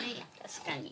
確かに。